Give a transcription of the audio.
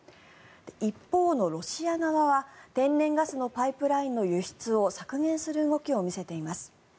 一方のロシア側は天然ガスのパイプラインの輸出を削減する動きを見せています。